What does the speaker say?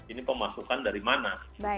ini pemasukan dari mana